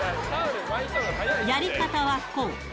やり方はこう。